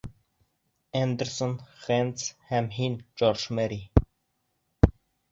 Эндерсон, Хэндс һәм һин, Джордж Мерри.